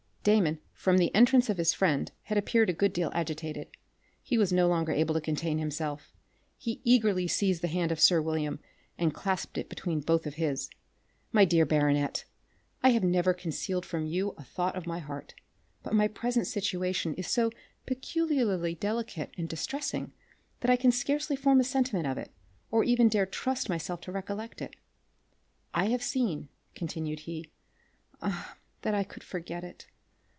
Damon from the entrance of his friend had appeared a good deal agitated. He was no longer able to contain himself. He eagerly seized the hand of sir William and clasped it between both of his. "My dear baronet, I have never concealed from you a thought of my heart. But my present situation is so peculiarly delicate and distressing, that I can scarcely form any sentiment of it, or even dare trust myself to recollect it. I have seen," continued he, "ah, that I could forget it!